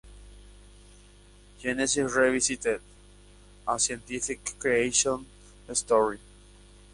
Genesis Revisited: A Scientific Creation Story.